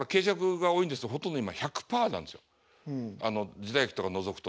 時代劇とか除くと。